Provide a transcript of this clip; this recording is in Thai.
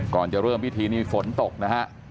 ก่อนจะเริ่มพิธีนี้ฝนตกนะฮะ